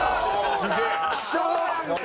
すげえ！